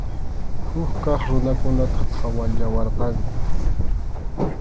Huk kaq runakunataq qhawallawarqanku.